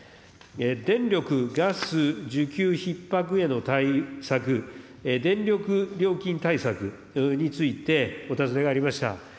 電力・ガス需給ひっ迫への対策、電力料金対策について、お尋ねがありました。